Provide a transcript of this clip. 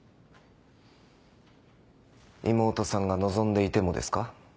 妹さんが望んでいてもですか？